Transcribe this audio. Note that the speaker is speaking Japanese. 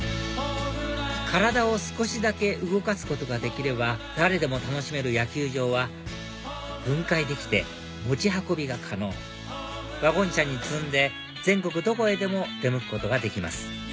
体を少しだけ動かすことができれば誰でも楽しめる野球場は分解できて持ち運びが可能ワゴン車に積んで全国どこへでも出向くことができます